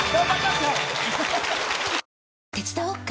手伝おっか？